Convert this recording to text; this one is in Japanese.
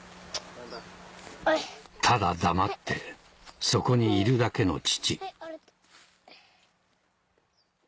ただ黙ってそこにいるだけの父